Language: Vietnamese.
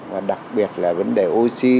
và đặc biệt là vấn đề oxy